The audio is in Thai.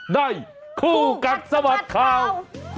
ได้ครูกัดสมัครเคาร์